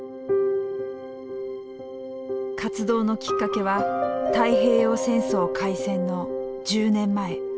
活動のきっかけは太平洋戦争開戦の１０年前。